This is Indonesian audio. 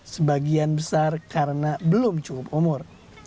sebagian besar karena belum cukup umur